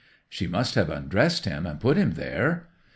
'She must have undressed him and put him there.